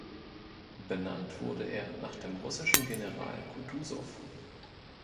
Benannt wurde er nach dem russischen General Kutusow.